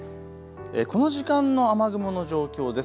この時間の雨雲の状況です。